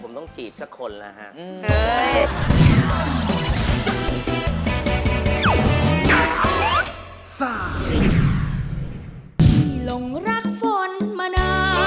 ผมต้องจีบสักคนแล้วฮะ